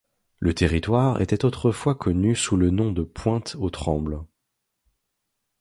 Le territoire était autrefois connu sous le nom de Pointe-aux-Trembles.